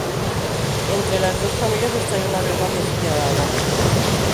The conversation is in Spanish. Entre las dos familias estalló una guerra despiadada.